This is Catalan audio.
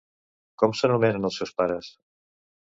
Com s'anomenen els seus pares?